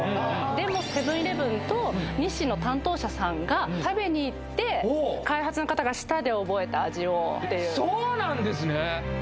でもセブン−イレブンと日清の担当者さんが食べに行って開発の方が舌で覚えた味をそうなんですね